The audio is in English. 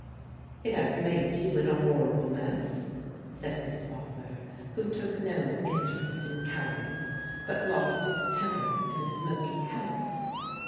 "It has made you in a horrible mess," said his father, who took no interest in cowls, but lost his temper in a smoky house.